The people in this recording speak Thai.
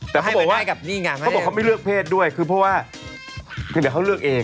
แต่เขาบอกว่าเขาบอกเขาไม่เลือกเพศด้วยคือเพราะว่าคือเดี๋ยวเขาเลือกเอง